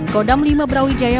kodam lima brawijaya